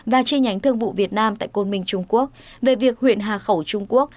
và chi nhánh thương vụ việt nam tại côn minh trung quốc về việc huyện hà khẩu trung quốc